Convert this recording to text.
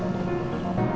uya buka gerbang